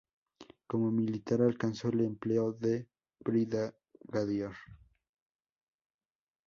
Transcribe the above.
Como militar alcanzó el empleo de Brigadier.